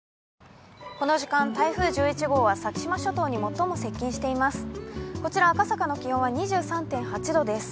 この時間、台風１１号は先島諸島に最も接近しています。